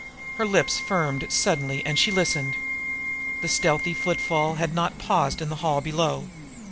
Her lips firmed suddenly, as she listened. The stealthy footfall had not paused in the hall below.